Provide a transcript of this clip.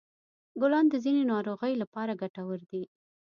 ګلان د ځینو ناروغیو لپاره ګټور دي.